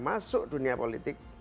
masuk dunia politik